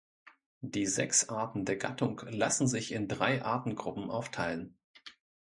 Die sechs Arten der Gattung lassen sich in drei Artengruppen aufteilen.